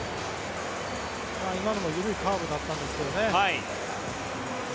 今のも緩いカーブだったんですけどね。